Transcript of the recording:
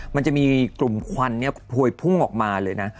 มันจะมีกลุ่มควันเนี่ยพวยพุ่งออกมาเลยนะ